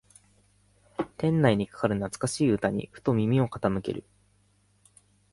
店内にかかる懐かしい歌にふと耳を傾ける